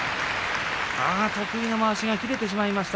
得意のまわしが切れてしまいました